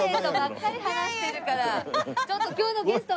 ちょっと今日のゲスト。